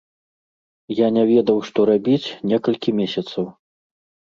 Я не ведаў, што рабіць, некалькі месяцаў.